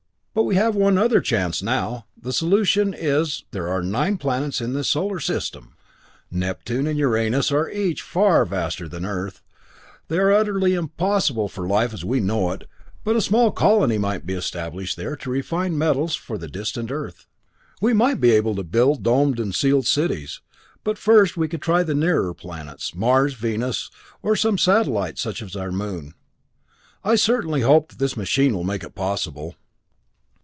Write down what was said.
"But we have one other chance now. The solution is there are nine planets in this solar system! Neptune and Uranus are each far vaster than Earth; they are utterly impossible for life as we know it, but a small colony might be established there to refine metals for the distant Earth. We might be able to build domed and sealed cities. But first we could try the nearer planets Mars, Venus, or some satellites such as our Moon. I certainly hope that this machine will make it possible."